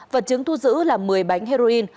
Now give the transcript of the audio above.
vật chứng thu giữ là một mươi bánh heroin